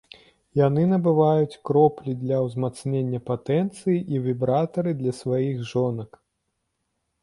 Яны набываюць кроплі для ўзмацнення патэнцыі і вібратары для сваіх жонак.